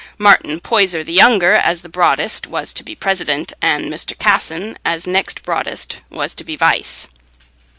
Martin Poyser the younger, as the broadest, was to be president, and Mr. Casson, as next broadest, was to be vice.